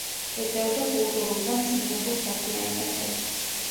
ეწეოდა კულტურულ და მწიგნობრულ საქმიანობასაც.